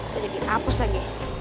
tidak dihapus lagi